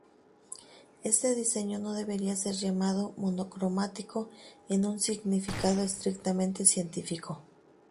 Este diseño no debería ser llamado monocromático en un significado estrictamente científico.